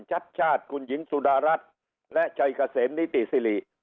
ชัดชาติคุณหญิงสุดารัฐและชัยเกษมนิติสิริ